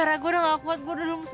lama ramah gitu riot ini